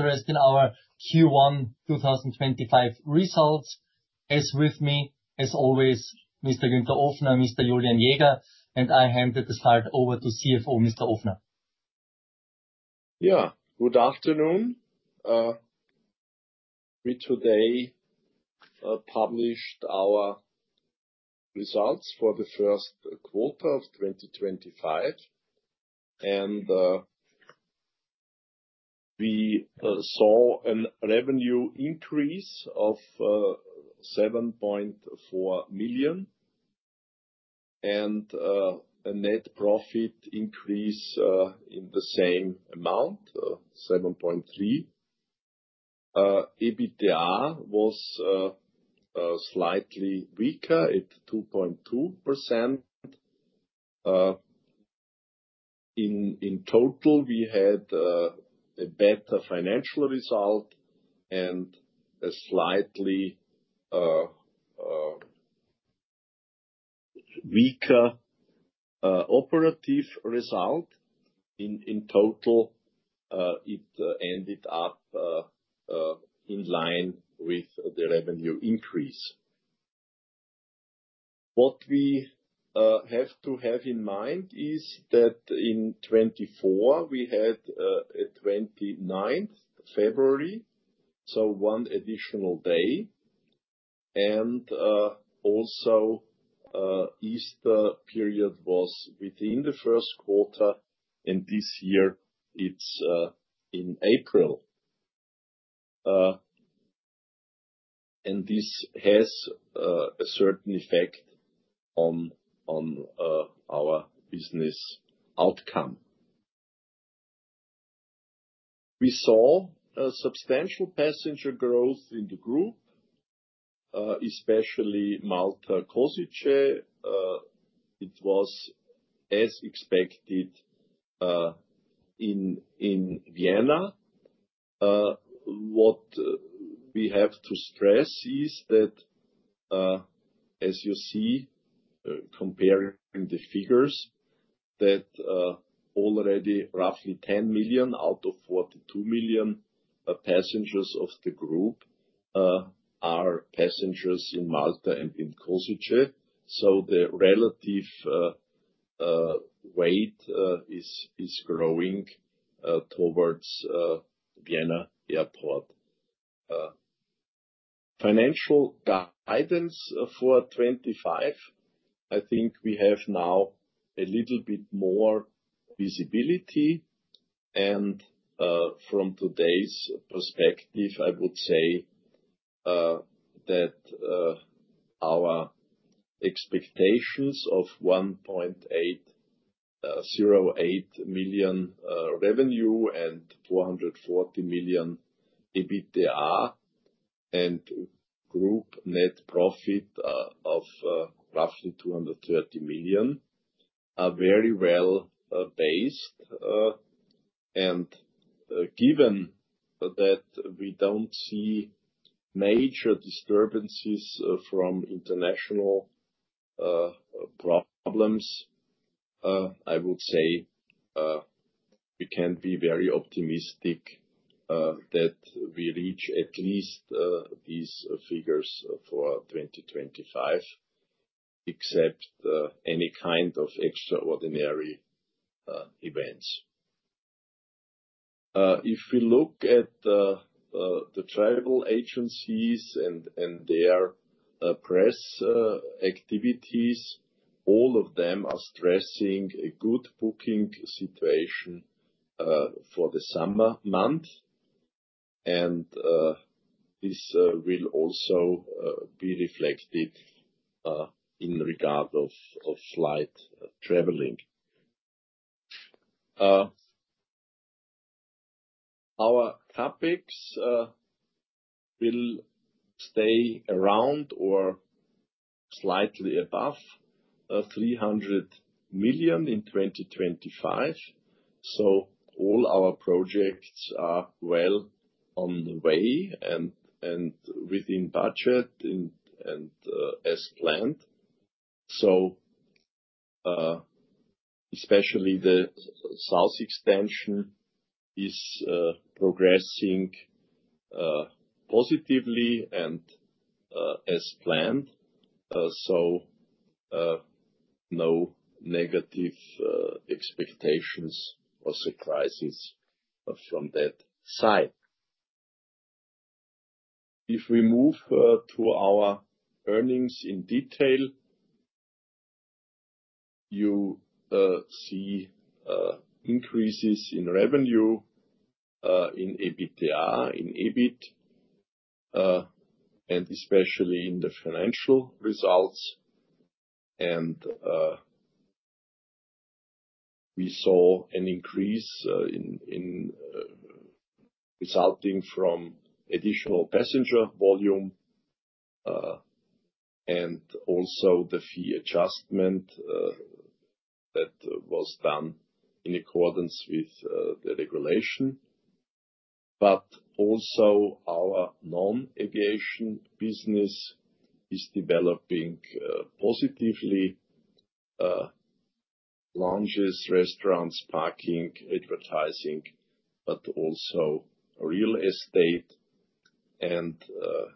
Interest in our Q1 2025 results. As with me, as always, Mr. Günther Ofner, Mr. Julian Jäger, and I hand the start over to CFO Mr. Ofner. Yeah, good afternoon. We today published our results for the first quarter of 2025, and we saw a revenue increase of 7.4 million and a net profit increase in the same amount, 7.3 million. EBITDA was slightly weaker at 2.2%. In total, we had a better financial result and a slightly weaker operative result. In total, it ended up in line with the revenue increase. What we have to have in mind is that in 2024, we had a 29th February, so one additional day, and also Easter period was within the first quarter, and this year it is in April. This has a certain effect on our business outcome. We saw substantial passenger growth in the group, especially Malta-Košice. It was as expected in Vienna. What we have to stress is that, as you see comparing the figures, that already roughly 10 million out of 42 million passengers of the group are passengers in Malta and in Košice, so the relative weight is growing towards Vienna Airport. Financial guidance for 2025, I think we have now a little bit more visibility, and from today's perspective, I would say that our expectations of 1.08 billion revenue and 440 million EBITDA and group net profit of roughly 230 million are very well based. Given that we do not see major disturbances from international problems, I would say we can be very optimistic that we reach at least these figures for 2025, except any kind of extraordinary events. If we look at the travel agencies and their press activities, all of them are stressing a good booking situation for the summer month, and this will also be reflected in regard of flight traveling. Our CapEx will stay around or slightly above 300 million in 2025, so all our projects are well on the way and within budget and as planned. Especially the south extension is progressing positively and as planned, no negative expectations or surprises from that side. If we move to our earnings in detail, you see increases in revenue, in EBITDA, in EBIT, and especially in the financial results. We saw an increase resulting from additional passenger volume and also the fee adjustment that was done in accordance with the regulation. Also our non-aviation business is developing positively: lounges, restaurants, parking, advertising, but also real estate.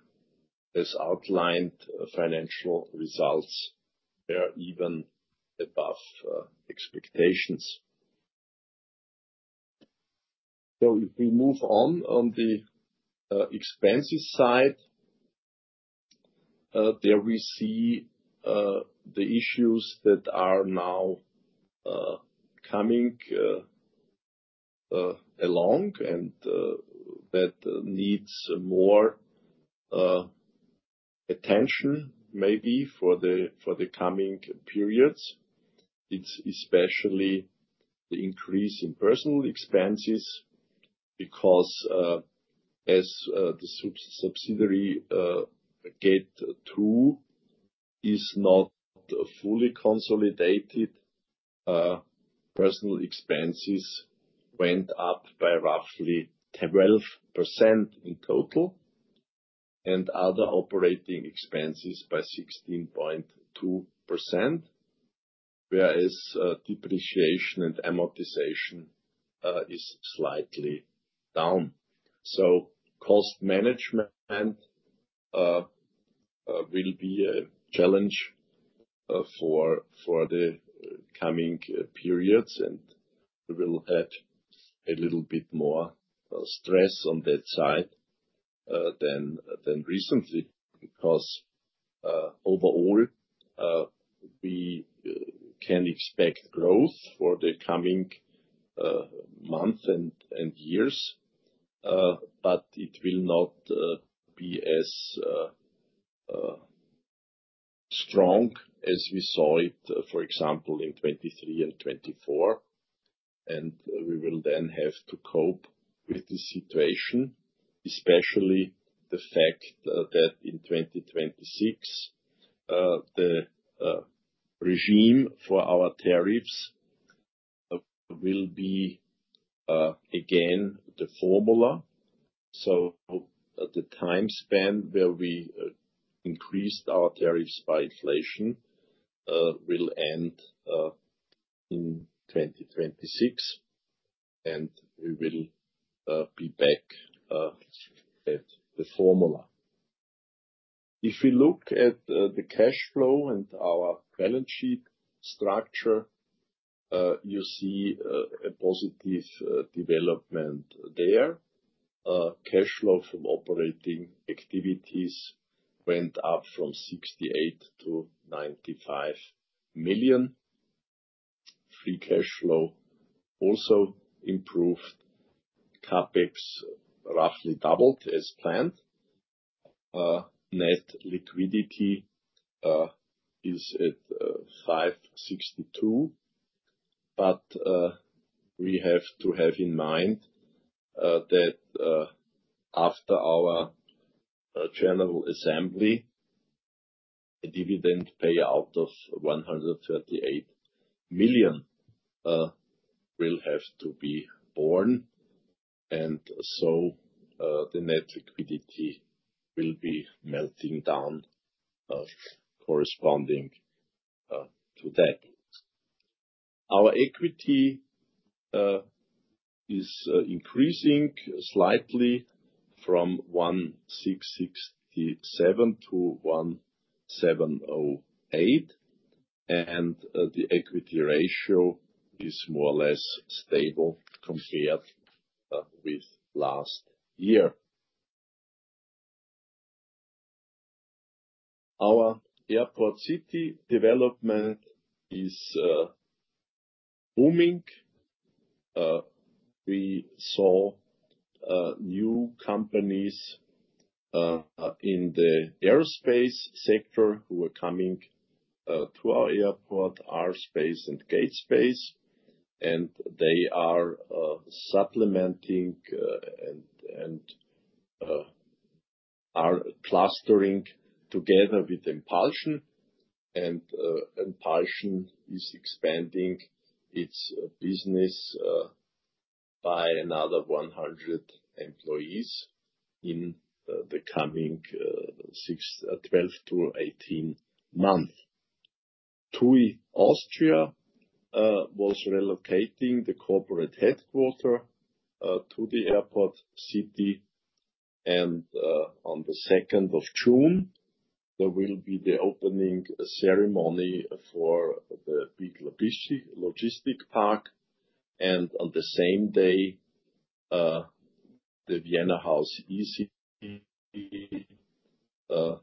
As outlined, financial results are even above expectations. If we move on on the expenses side, there we see the issues that are now coming along and that need more attention maybe for the coming periods. It's especially the increase in personnel expenses because as the subsidiary Gate 2 is not fully consolidated, personnel expenses went up by roughly 12% in total and other operating expenses by 16.2%, whereas depreciation and amortization is slightly down. Cost management will be a challenge for the coming periods, and we will have a little bit more stress on that side than recently because overall we can expect growth for the coming months and years, but it will not be as strong as we saw it, for example, in 2023 and 2024. We will then have to cope with the situation, especially the fact that in 2026, the regime for our tariffs will be again the formula. The time span where we increased our tariffs by inflation will end in 2026, and we will be back at the formula. If we look at the cash flow and our balance sheet structure, you see a positive development there. Cash flow from operating activities went up from 68 million to 95 million. Free cash flow also improved. CapEx roughly doubled as planned. Net liquidity is at 562 million, but we have to have in mind that after our general assembly, a dividend payout of 138 million will have to be borne, and so the net liquidity will be melting down corresponding to that. Our equity is increasing slightly from 1,667 million to 1,708 million, and the equity ratio is more or less stable compared with last year. Our airport city development is booming. We saw new companies in the aerospace sector who are coming to our airport, our space, and Gate space, and they are supplementing and are clustering together with Impulsion. And Impulsion is expanding its business by another 100 employees in the coming 12 to 18 months. TUI Austria was relocating the corporate headquarters to the airport city, and on the 2nd of June, there will be the opening ceremony for the Big Logistics Park. On the same day, the Vienna House EC will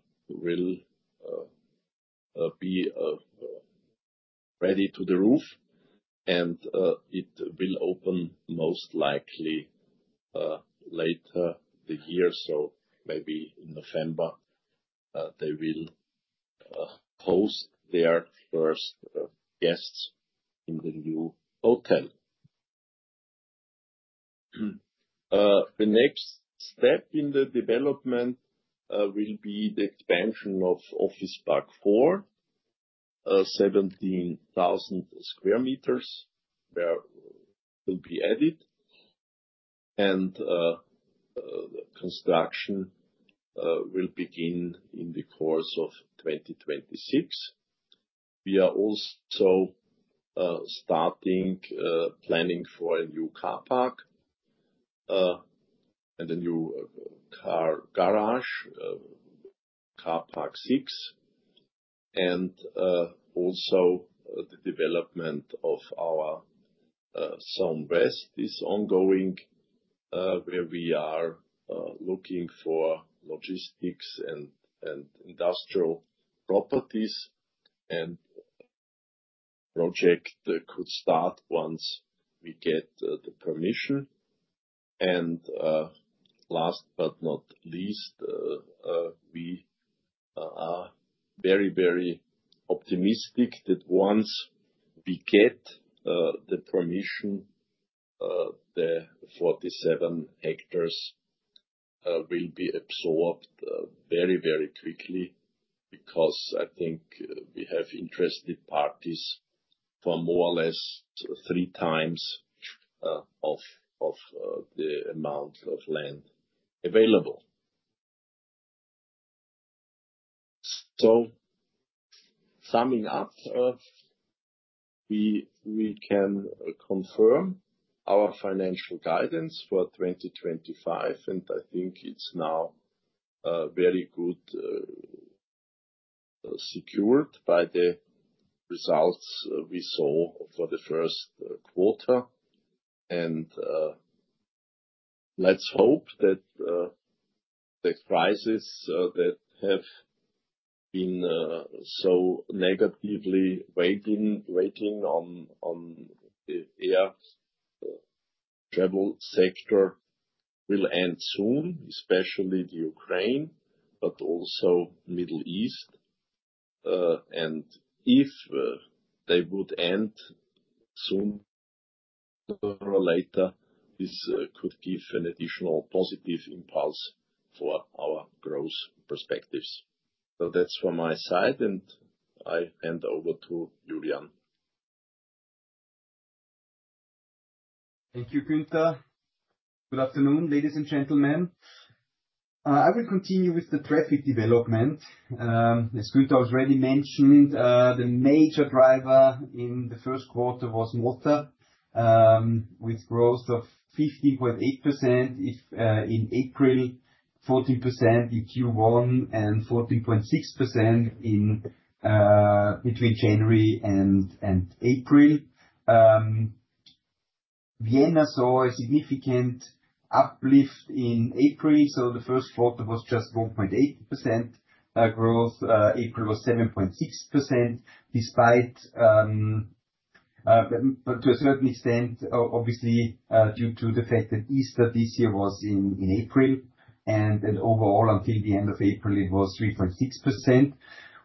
be ready to the roof, and it will open most likely later this year, so maybe in November they will host their first guests in the new hotel. The next step in the development will be the expansion of Office Park 4, 17,000 sq m, where it will be added, and construction will begin in the course of 2026. We are also starting planning for a new car park and a new car garage, Car Park 6, and also the development of our zone west is ongoing, where we are looking for logistics and industrial properties, and the project could start once we get the permission. Last but not least, we are very, very optimistic that once we get the permission, the 47 hectares will be absorbed very, very quickly because I think we have interested parties for more or less three times of the amount of land available. Summing up, we can confirm our financial guidance for 2025, and I think it's now very good secured by the results we saw for the first quarter. Let's hope that the crisis that has been so negatively weighing on the air travel sector will end soon, especially the Ukraine, but also the Middle East. If they would end sooner or later, this could give an additional positive impulse for our growth perspectives. That's from my side, and I hand over to Julian. Thank you, Günther. Good afternoon, ladies and gentlemen. I will continue with the traffic development. As Günther already mentioned, the major driver in the first quarter was Malta, with growth of 15.8% in April, 14% in Q1, and 14.6% between January and April. Vienna saw a significant uplift in April, so the first quarter was just 1.8% growth. April was 7.6%, obviously, due to the fact that Easter this year was in April, and overall until the end of April, it was 3.6%.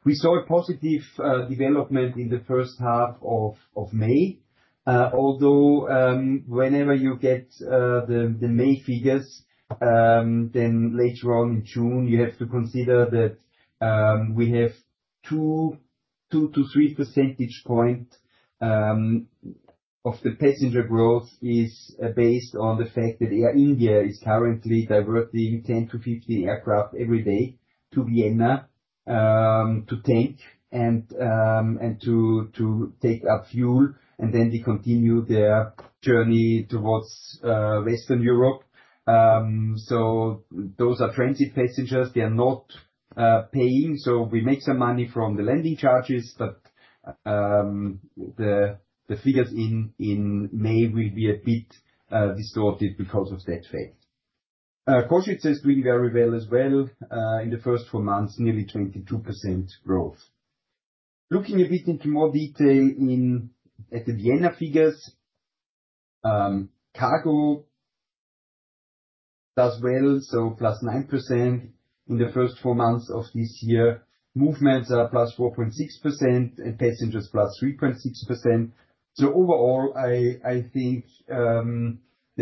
We saw a positive development in the first half of May, although whenever you get the May figures, then later on in June, you have to consider that we have 2 to 3 percentage points of the passenger growth is based on the fact that Air India is currently diverting 10-15 aircraft every day to Vienna to tank and to take up fuel and then continue their journey towards Western Europe. Those are transit passengers. They are not paying, so we make some money from the landing charges, but the figures in May will be a bit distorted because of that fact. Košice is doing very well as well in the first four months, nearly 22% growth. Looking a bit into more detail at the Vienna figures, Cargo does well, so plus 9% in the first four months of this year. Movements are plus 4.6% and passengers plus 3.6%. Overall, I think the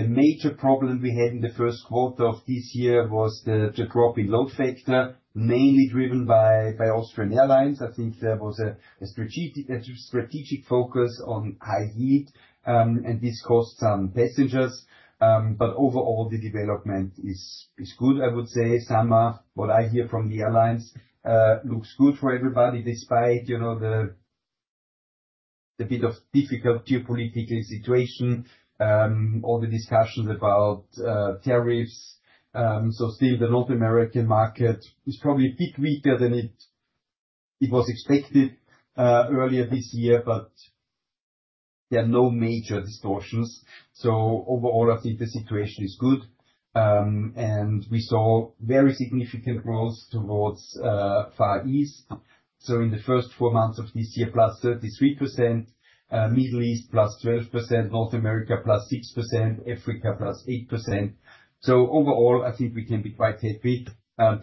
major problem we had in the first quarter of this year was the drop in load factor, mainly driven by Austrian Airlines. I think there was a strategic focus on high heat, and this cost some passengers. Overall, the development is good, I would say. Sum up what I hear from the airlines looks good for everybody despite the bit of difficult geopolitical situation, all the discussions about tariffs. Still, the North American market is probably a bit weaker than it was expected earlier this year, but there are no major distortions. Overall, I think the situation is good, and we saw very significant growth towards Far East. In the first four months of this year, plus 33%, Middle East plus 12%, North America plus 6%, Africa plus 8%. Overall, I think we can be quite happy.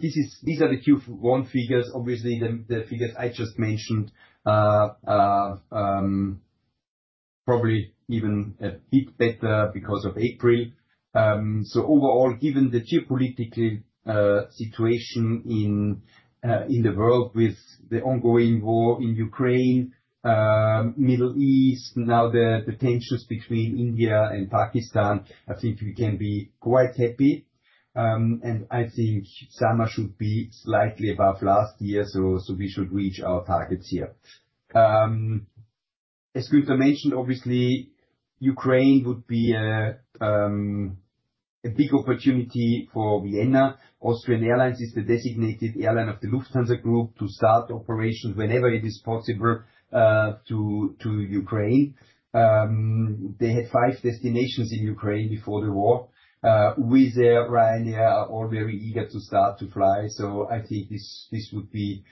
These are the Q1 figures. Obviously, the figures I just mentioned are probably even a bit better because of April. Overall, given the geopolitical situation in the world with the ongoing war in Ukraine, Middle East, now the tensions between India and Pakistan, I think we can be quite happy. I think summer should be slightly above last year, so we should reach our targets here. As Günther mentioned, obviously, Ukraine would be a big opportunity for Vienna. Austrian Airlines is the designated airline of the Lufthansa Group to start operations whenever it is possible to Ukraine. They had five destinations in Ukraine before the war. Wizz Air, Ryanair are all very eager to start to fly, so I think this would be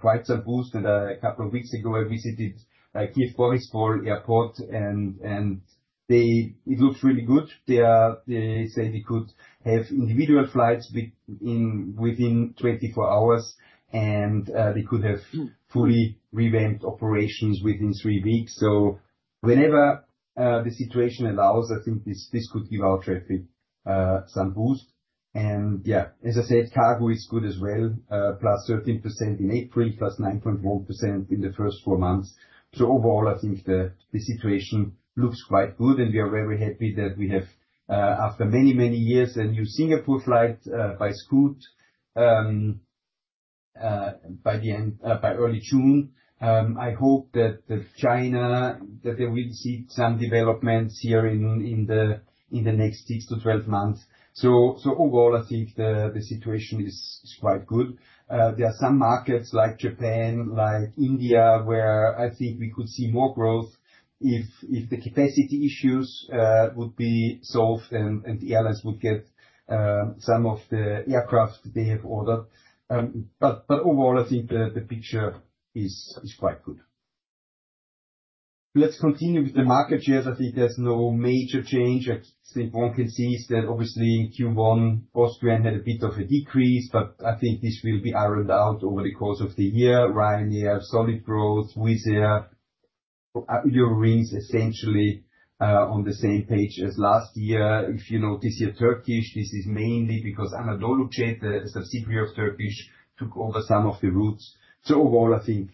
quite a boost. A couple of weeks ago, I visited Kyiv-Boryspil Airport, and it looks really good. They say they could have individual flights within 24 hours, and they could have fully revamped operations within three weeks. Whenever the situation allows, I think this could give our traffic some boost. Yeah, as I said, cargo is good as well, plus 13% in April, plus 9.1% in the first four months. Overall, I think the situation looks quite good, and we are very happy that we have, after many, many years, a new Singapore flight by Scoot by early June. I hope that China, that they will see some developments here in the next 6 to 12 months. Overall, I think the situation is quite good. There are some markets like Japan, like India, where I think we could see more growth if the capacity issues would be solved and the airlines would get some of the aircraft they have ordered. Overall, I think the picture is quite good. Let's continue with the market shares. I think there's no major change. I think one can see that obviously in Q1, Austrian had a bit of a decrease, but I think this will be ironed out over the course of the year. Ryanair, solid growth. Wizz Air, Eurowings essentially on the same page as last year. If you notice here, Turkish, this is mainly because AnadoluJet, a subsidiary of Turkish, took over some of the routes. Overall, I think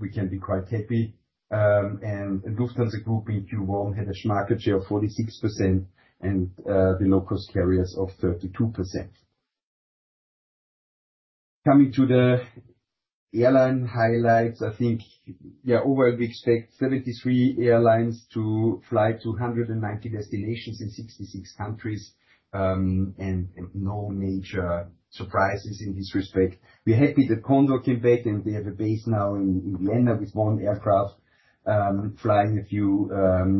we can be quite happy. Lufthansa Group in Q1 had a market share of 46% and the low-cost carriers of 32%. Coming to the airline highlights, I think, yeah, overall we expect 73 airlines to fly to 190 destinations in 66 countries and no major surprises in this respect. We're happy that Condor came back and they have a base now in Vienna with one aircraft flying a few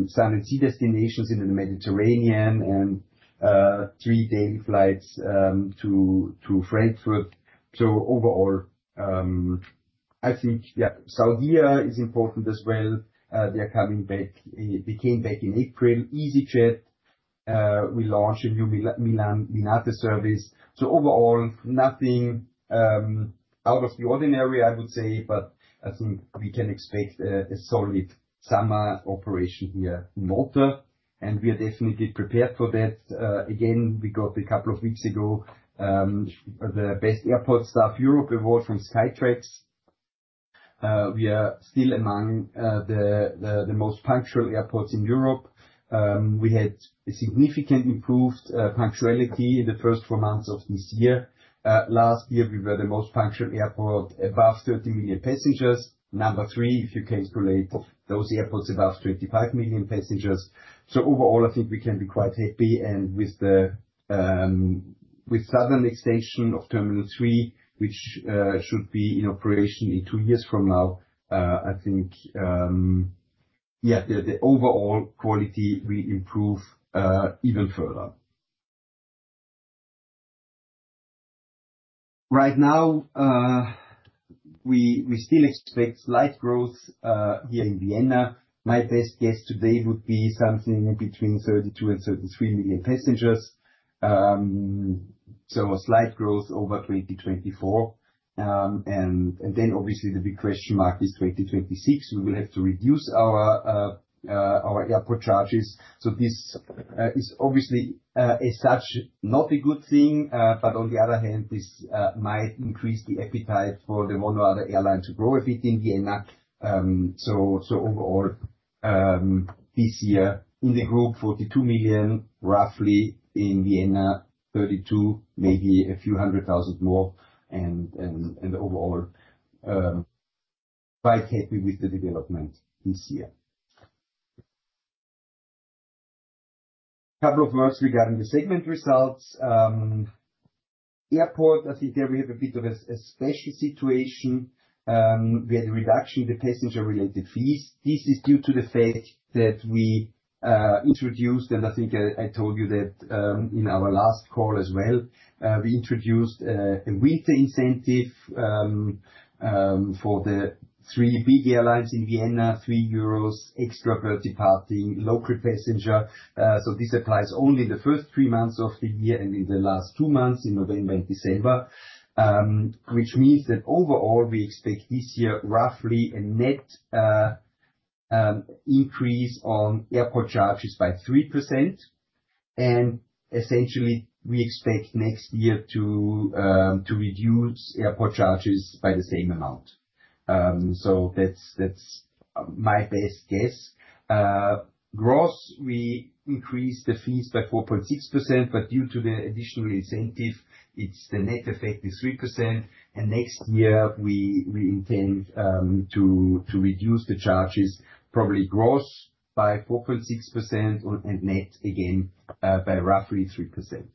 sun and sea destinations in the Mediterranean and three daily flights to Frankfurt. Overall, I think, yeah, Saudia is important as well. They are coming back. They came back in April. EasyJet, we launched a new Milan Malpensa service. Overall, nothing out of the ordinary, I would say, but I think we can expect a solid summer operation here in Malta, and we are definitely prepared for that. Again, we got a couple of weeks ago the best airport staff Europe award from Skytrax. We are still among the most punctual airports in Europe. We had a significant improved punctuality in the first four months of this year. Last year, we were the most punctual airport, above 30 million passengers. Number three, if you came too late, those airports above 25 million passengers. Overall, I think we can be quite happy. With the southern extension of Terminal 3, which should be in operation in two years from now, I think, yeah, the overall quality will improve even further. Right now, we still expect slight growth here in Vienna. My best guess today would be something between 32 million to 33 million passengers. Slight growth over 2024. Obviously, the big question mark is 2026. We will have to reduce our airport charges. This is obviously, as such, not a good thing, but on the other hand, this might increase the appetite for the one or other airline to grow a bit in Vienna. Overall, this year, in the group, 42 million roughly in Vienna, 32, maybe a few hundred thousand more. Overall, quite happy with the development this year. A couple of words regarding the segment results. Airport, I think there we have a bit of a special situation. We had a reduction in the passenger-related fees. This is due to the fact that we introduced, and I think I told you that in our last call as well, we introduced a winter incentive for the three big airlines in Vienna, 3 euros extra per departing, local passenger. This applies only in the first three months of the year and in the last two months, in November and December, which means that overall, we expect this year roughly a net increase on airport charges by 3%. Essentially, we expect next year to reduce airport charges by the same amount. That's my best guess. Gross, we increased the fees by 4.6%, but due to the additional incentive, the net effect is 3%. Next year, we intend to reduce the charges probably gross by 4.6% and net again by roughly 3%.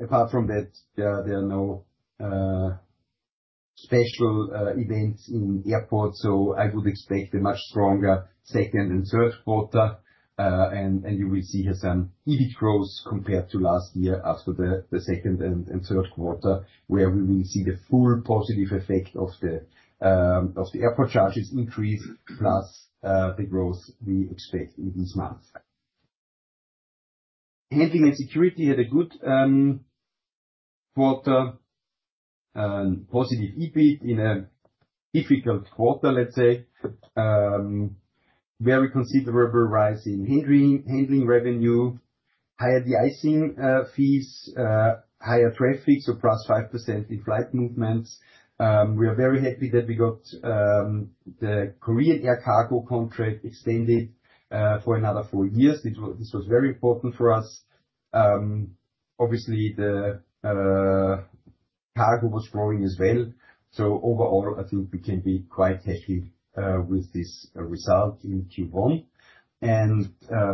Apart from that, there are no special events in airports, so I would expect a much stronger second and third quarter. You will see here some even growth compared to last year after the second and third quarter, where we will see the full positive effect of the airport charges increase plus the growth we expect in these months. Handling and security had a good quarter, positive EBIT in a difficult quarter, let's say, very considerable rise in handling revenue, higher de-icing fees, higher traffic, so plus 5% in flight movements. We are very happy that we got the Korean Air Cargo contract extended for another four years. This was very important for us. Obviously, the cargo was growing as well. Overall, I think we can be quite happy with this result in Q1 and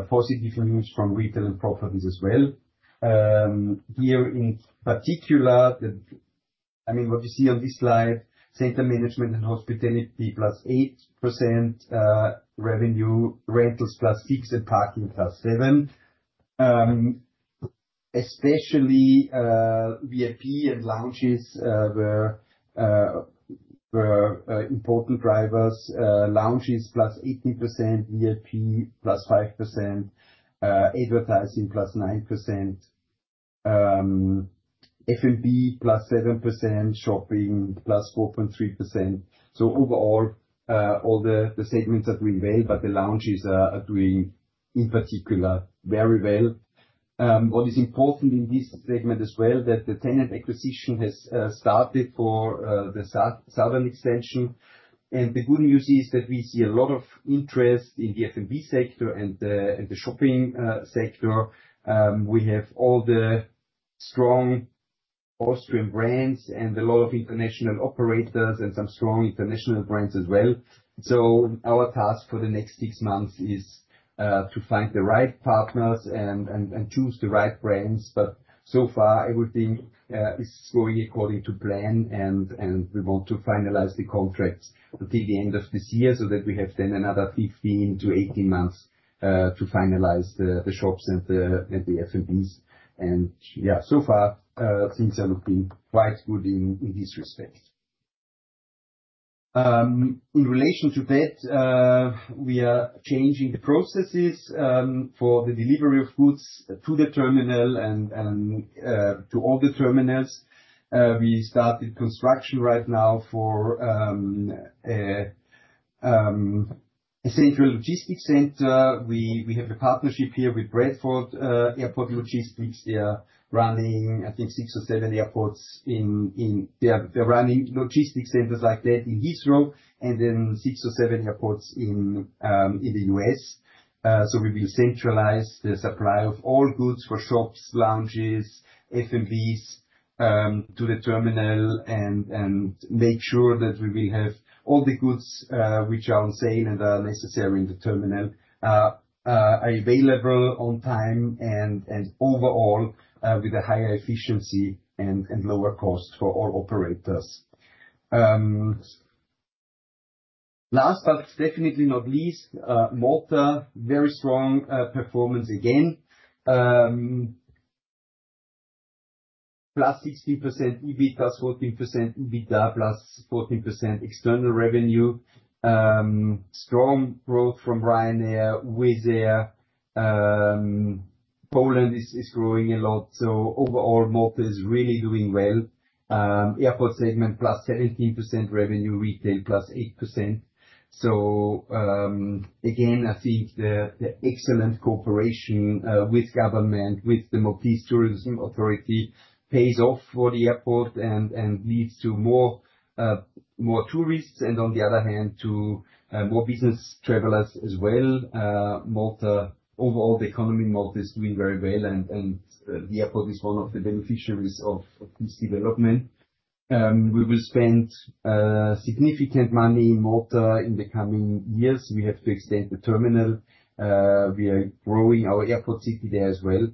positive news from retail and properties as well. Here in particular, I mean, what you see on this slide, center management and hospitality plus 8% revenue, rentals plus 6%, and parking plus 7%. Especially VIP and lounges were important drivers. Lounges plus 18%, VIP plus 5%, advertising plus 9%, F&B plus 7%, shopping plus 4.3%. Overall, all the segments are doing well, but the lounges are doing in particular very well. What is important in this segment as well is that the tenant acquisition has started for the southern extension. The good news is that we see a lot of interest in the F&B sector and the shopping sector. We have all the strong Austrian brands and a lot of international operators and some strong international brands as well. Our task for the next six months is to find the right partners and choose the right brands. So far, everything is going according to plan, and we want to finalize the contracts until the end of this year so that we have then another 15 to 18 months to finalize the shops and the F&Bs. Yeah, so far, things are looking quite good in this respect. In relation to that, we are changing the processes for the delivery of goods to the terminal and to all the terminals. We started construction right now for a central logistics center. We have a partnership here with Bradford Airport Logistics. They are running, I think, six or seven airports, and they are running logistics centers like that in Heathrow and then six or seven airports in the U.S. We will centralize the supply of all goods for shops, lounges, F&Bs to the terminal and make sure that we will have all the goods which are on sale and are necessary in the terminal available on time and overall with a higher efficiency and lower cost for all operators. Last, but definitely not least, Malta, very strong performance again. Plus 16% EBITDA, 14% EBITDA, plus 14% external revenue. Strong growth from Ryanair, Wizz Air. Poland is growing a lot. Overall, Malta is really doing well. Airport segment plus 17% revenue, retail plus 8%. Again, I think the excellent cooperation with government, with the Maltese Tourism Authority pays off for the airport and leads to more tourists and on the other hand, to more business travelers as well. Malta, overall, the economy in Malta is doing very well, and the airport is one of the beneficiaries of this development. We will spend significant money in Malta in the coming years. We have to extend the terminal. We are growing our airport city there as well.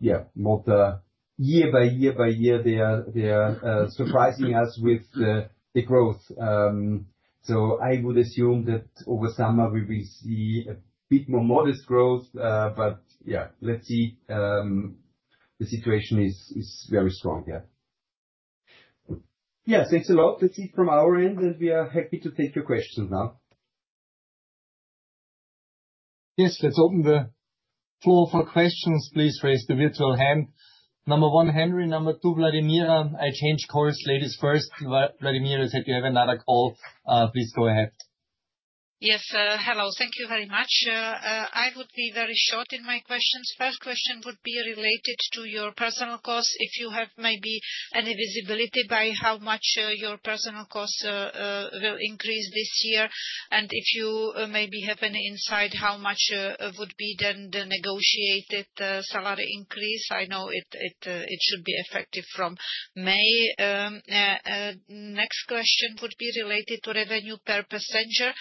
Yeah, Malta, year by year by year, they are surprising us with the growth. I would assume that over summer, we will see a bit more modest growth, but yeah, let's see. The situation is very strong here. Yes, thanks a lot. That's it from our end, and we are happy to take your questions now. Yes, let's open the floor for questions. Please raise the virtual hand. Number one, Henry. Number two, Vladimira. I changed calls, ladies first. Vladimira said you have another call. Please go ahead. Yes, hello. Thank you very much. I would be very short in my questions. First question would be related to your personnel costs. If you have maybe any visibility by how much your personnel costs will increase this year and if you maybe have any insight how much would be then the negotiated salary increase. I know it should be effective from May. Next question would be related to revenue per passenger.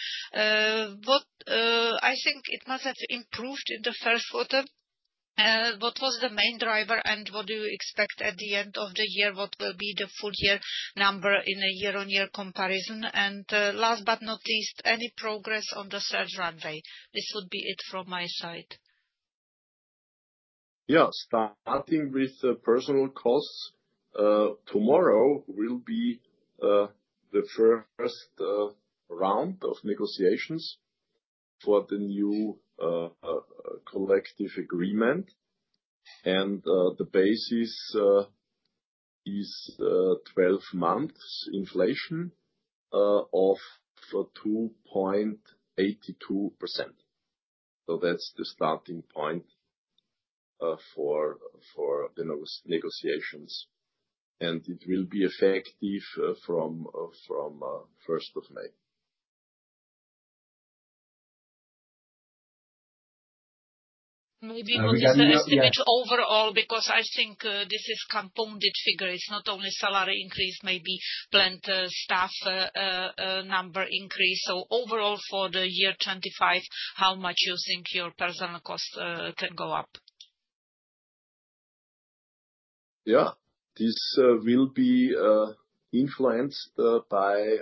I think it must have improved in the first quarter. What was the main driver and what do you expect at the end of the year? What will be the full year number in a year-on-year comparison? Last but not least, any progress on the third runway? This would be it from my side. Yeah, starting with personnel costs, tomorrow will be the first round of negotiations for the new collective agreement. The basis is 12 months inflation of 2.82%. That's the starting point for the negotiations. It will be effective from 1st of May. Maybe on the same image overall because I think this is compounded figure. It's not only salary increase, maybe planned staff number increase. Overall for the year 2025, how much you think your personnel cost can go up? Yeah, this will be influenced by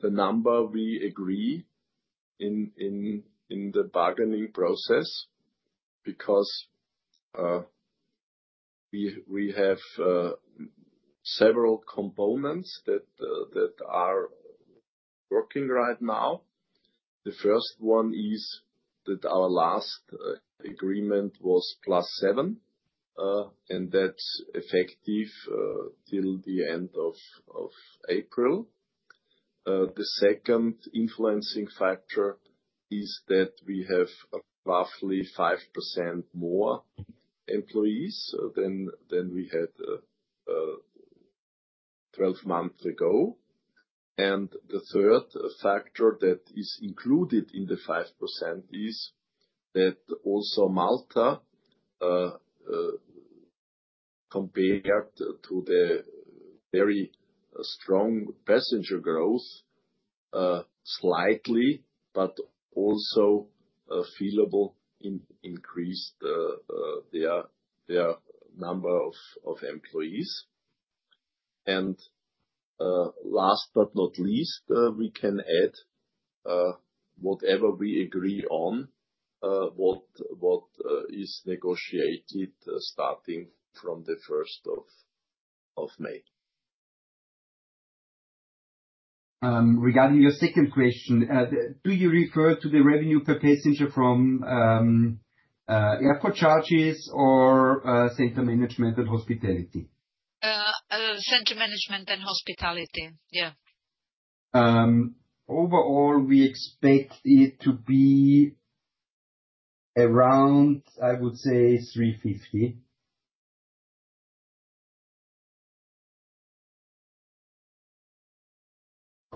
the number we agree in the bargaining process because we have several components that are working right now. The first one is that our last agreement was plus 7%, and that's effective till the end of April. The second influencing factor is that we have roughly 5% more employees than we had 12 months ago. The third factor that is included in the 5% is that also Malta, compared to the very strong passenger growth, slightly, but also feelable, increased their number of employees. Last but not least, we can add whatever we agree on, what is negotiated starting from the 1st of May. Regarding your second question, do you refer to the revenue per passenger from airport charges or center management and hospitality? Center management and hospitality, yeah. Overall, we expect it to be around EUR 3.50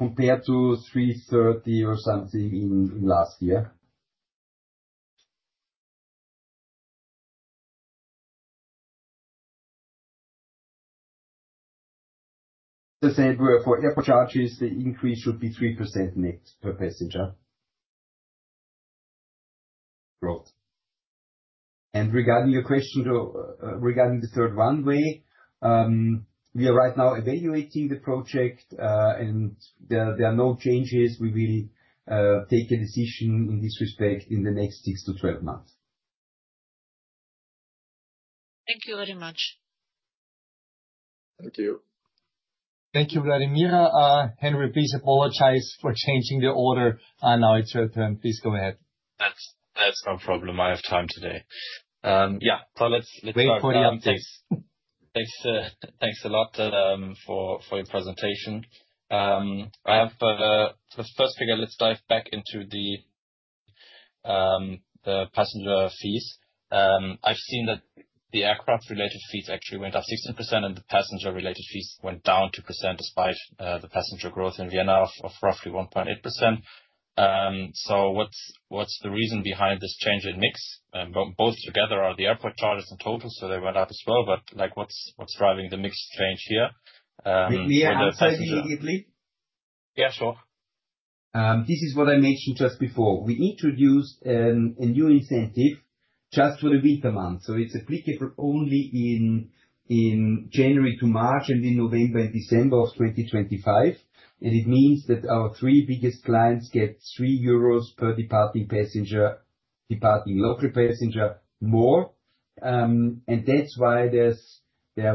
compared to 3.30 or something last year. The same for airport charges, the increase should be 3% net per passenger. Regarding your question regarding the third runway, we are right now evaluating the project, and there are no changes. We will take a decision in this respect in the next 6 to 12 months. Thank you very much. Thank you. Thank you, Vladimira. Henry, please apologize for changing the order. Now it's your turn. Please go ahead. That's no problem. I have time today. Yeah, let's start with the updates. Thanks a lot for your presentation. For the first figure, let's dive back into the passenger fees. I've seen that the aircraft-related fees actually went up 16%, and the passenger-related fees went down 2% despite the passenger growth in Vienna of roughly 1.8%. What's the reason behind this change in mix? Both together are the airport charges in total, so they went up as well. What's driving the mix change here? We are uncertain immediately. Yeah, sure. This is what I mentioned just before. We introduced a new incentive just for the winter months. It's applicable only in January to March and in November and December of 2025. It means that our three biggest clients get 3 euros per departing passenger, departing local passenger more. That's why there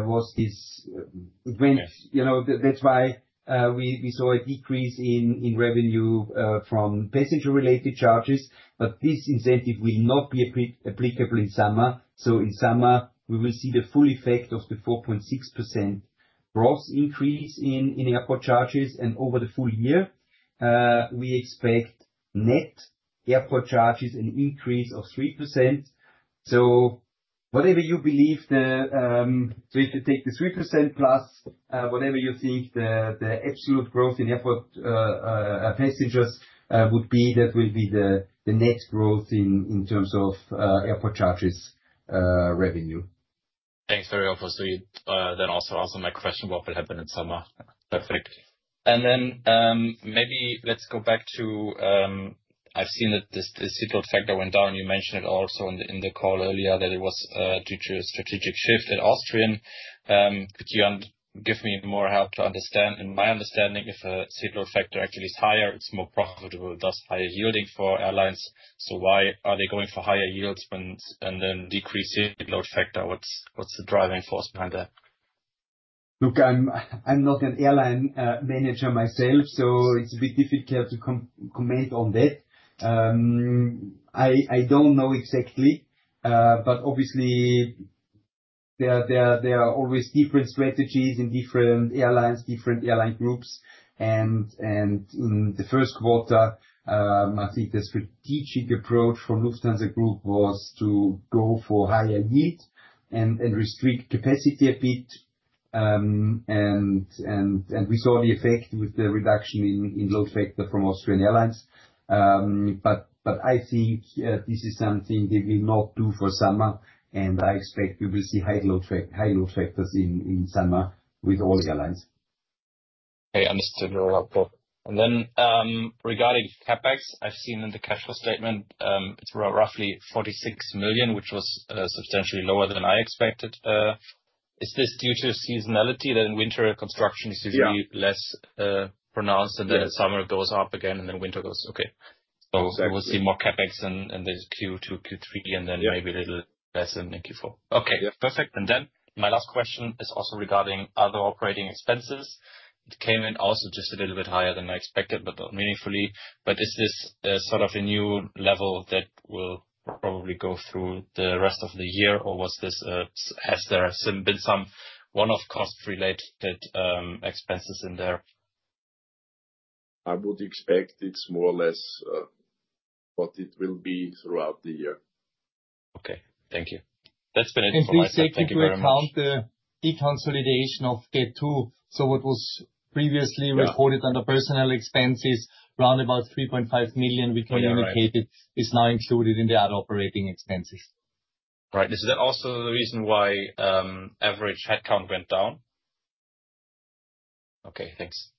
was this event. That's why we saw a decrease in revenue from passenger-related charges. This incentive will not be applicable in summer. In summer, we will see the full effect of the 4.6% gross increase in airport charges. Over the full year, we expect net airport charges an increase of 3%. Whatever you believe, if you take the 3% plus whatever you think the absolute growth in airport passengers would be, that will be the net growth in terms of airport charges revenue. Thanks very much. Also, my question, what will happen in summer? Perfect. Maybe let's go back to I've seen that the seatload factor went down. You mentioned it also in the call earlier that it was due to a strategic shift at Austrian. Could you give me more help to understand? In my understanding, if a seatload factor actually is higher, it's more profitable, thus higher yielding for airlines. Why are they going for higher yields and then decreasing the load factor? What's the driving force behind that? Look, I'm not an airline manager myself, so it's a bit difficult to comment on that. I don't know exactly, but obviously, there are always different strategies in different airlines, different airline groups. In the first quarter, I think the strategic approach for Lufthansa Group was to go for higher yield and restrict capacity a bit. We saw the effect with the reduction in load factor from Austrian Airlines. I think this is something they will not do for summer, and I expect we will see high load factors in summer with all airlines. Okay, understood. Very helpful. Regarding CapEx, I've seen in the cash flow statement it's roughly 46 million, which was substantially lower than I expected. Is this due to seasonality? That in winter, construction is usually less pronounced, and then summer goes up again, and then winter goes okay. We will see more CapEx in Q2, Q3, and then maybe a little less in Q4. Okay, perfect. My last question is also regarding other operating expenses. It came in also just a little bit higher than I expected, but not meaningfully. Is this sort of a new level that will probably go through the rest of the year, or has there been some one-off cost-related expenses in there? I would expect it's more or less what it will be throughout the year. Okay, thank you. That's been it for my side. This second will count the deconsolidation of Gate 2. What was previously recorded under personnel expenses, around about 3.5 million, we communicated, is now included in the other operating expenses. Right. Is that also the reason why average headcount went down. Okay, thanks.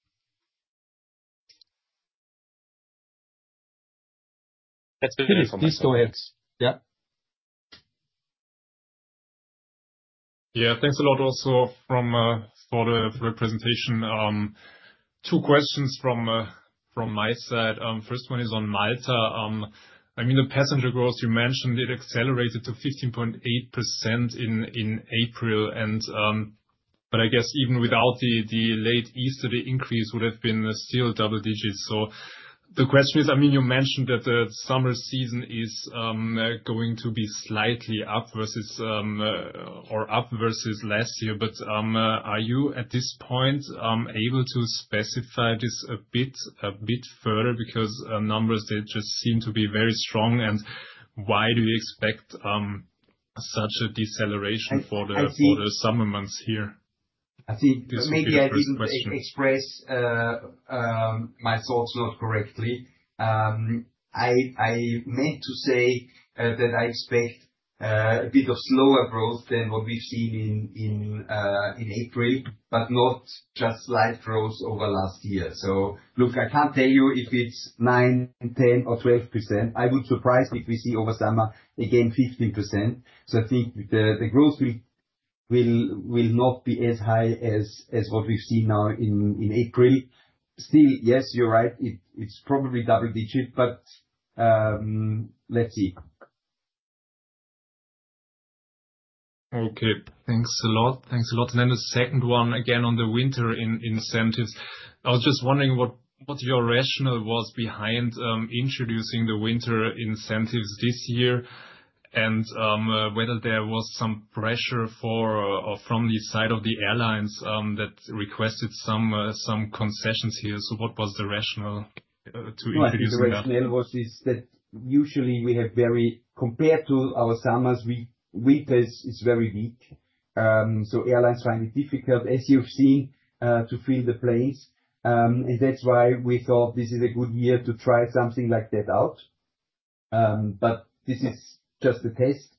That's been it from my side. Please go ahead. Yeah. Yeah, thanks a lot also for the presentation. Two questions from my side. First one is on Malta. I mean, the passenger growth you mentioned, it accelerated to 15.8% in April. I guess even without the late Easter, the increase would have been still double digits. The question is, I mean, you mentioned that the summer season is going to be slightly up versus or up versus last year. Are you at this point able to specify this a bit further? Because numbers, they just seem to be very strong. Why do you expect such a deceleration for the summer months here? I think maybe I didn't express my thoughts not correctly. I meant to say that I expect a bit of slower growth than what we've seen in April, but not just slight growth over last year. Look, I can't tell you if it's 9%, 10%, or 12%. I would be surprised if we see over summer again 15%. I think the growth will not be as high as what we've seen now in April. Still, yes, you're right. It's probably double digit, but let's see. Okay, thanks a lot. Thanks a lot. The second one again on the winter incentives. I was just wondering what your rationale was behind introducing the winter incentives this year and whether there was some pressure from the side of the airlines that requested some concessions here. What was the rationale to introduce it? My rationale was this: that usually we have very, compared to our summers, winter is very weak. Airlines find it difficult, as you've seen, to fill the planes. That is why we thought this is a good year to try something like that out. This is just a test,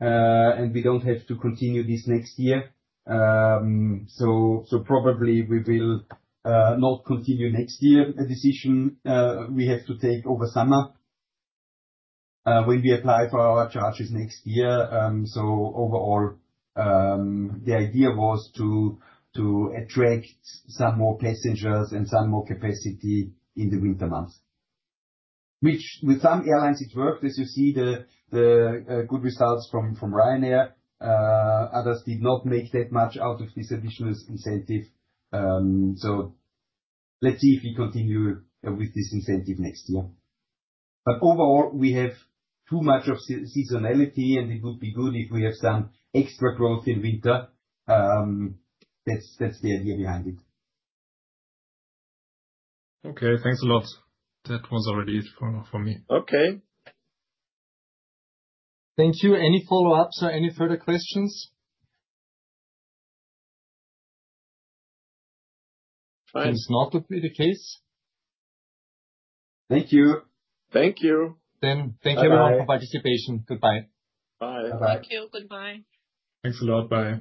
and we do not have to continue this next year. Probably we will not continue next year. A decision we have to take over summer when we apply for our charges next year. Overall, the idea was to attract some more passengers and some more capacity in the winter months. With some airlines, it worked, as you see the good results from Ryanair. Others did not make that much out of this additional incentive. Let's see if we continue with this incentive next year. Overall, we have too much of seasonality, and it would be good if we have some extra growth in winter. That's the idea behind it. Okay, thanks a lot. That was already it for me. Okay. Thank you. Any follow-ups or any further questions? It's not the case. Thank you. Thank you. Thank you everyone for participation. Goodbye. Bye. Thank you. Goodbye. Thanks a lot, Bryan.